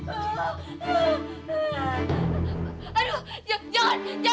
jangan panggil saya aduh jangan panggil saya dong